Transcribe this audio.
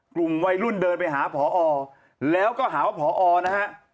กลุ่มวัยรุ่นเดินไปหาผอแล้วก็หาว่าพอนะฮะ